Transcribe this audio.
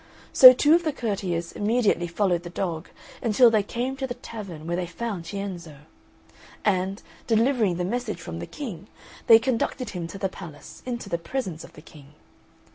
So two of the courtiers immediately followed the dog, until they came to the tavern, where they found Cienzo; and, delivering the message from the King, they conducted him to the palace, into the presence of the King.